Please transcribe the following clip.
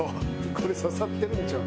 これ刺さってるんちゃう？